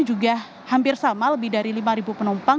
juga hampir sama lebih dari lima penumpang